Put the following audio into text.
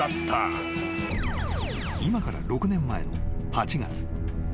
［今から６年前の８月］